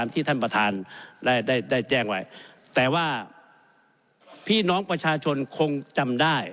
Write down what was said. ที่ท่านประธานได้ได้แจ้งไว้แต่ว่าพี่น้องประชาชนคงจำได้